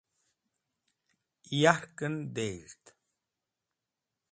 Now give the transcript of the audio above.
yurk'en dez̃hd